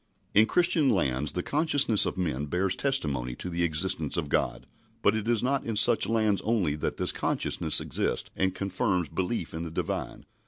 In Christian lands the consciousness of men bears testimony to the existence of God, but it is not in such lands only that this consciousness exists and confirms belief in the Divine.